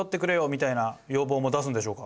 みたいな要望も出すんでしょうか？